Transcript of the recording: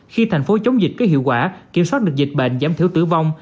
khi thành phố chống dịch có hiệu quả kiểm soát được dịch bệnh giảm thiểu tử vong